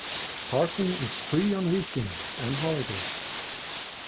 Parking is free on weekends and holidays.